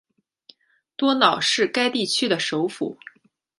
多瑙是该地区的首府。